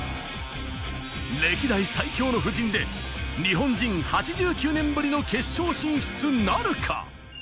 歴代最強の布陣で日本人８９年ぶりの決勝進出なるか。